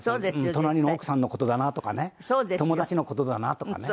隣の奥さんの事だなとかね友達の事だなとかね。